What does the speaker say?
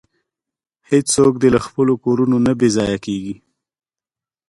هیڅوک دې له خپلو کورونو نه بې ځایه کیږي.